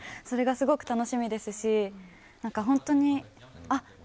それがすごく楽しみですし。